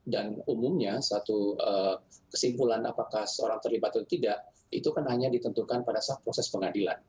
dan umumnya satu kesimpulan apakah seorang terlibat atau tidak itu kan hanya ditentukan pada saat proses pengadilan